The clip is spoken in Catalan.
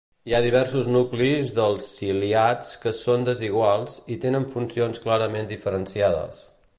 Hi ha diversos nuclis dels ciliats que són desiguals i tenen funcions clarament diferenciades.